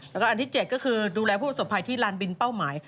แล้วก็อันที่๗ก็คือดูแลผู้ประสบภัยที่ลานบินเป้าหมาย